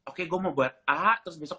oke gue mau buat aha terus besok